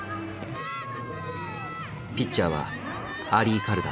ピッチャーはアリー・カルダ。